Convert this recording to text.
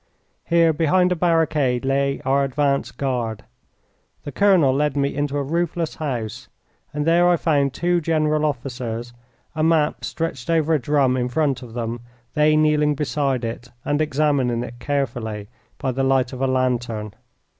Here behind a barricade lay our advance guard. The colonel led me into a roofless house, and there I found two general officers, a map stretched over a drum in front of them, they kneeling beside it and examining it carefully by the light of a lantern.